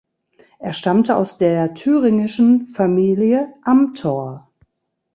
Er stammte aus der thüringischen Familie Amthor.